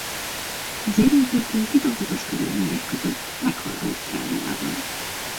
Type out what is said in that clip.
Zero végül titokzatos körülmények között meghal Ausztráliában.